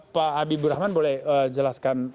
pak habibur rahman boleh jelaskan